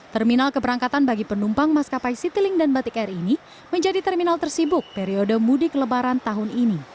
terminal keberangkatan bagi penumpang maskapai citilink dan batik air ini menjadi terminal tersibuk periode mudik lebaran tahun ini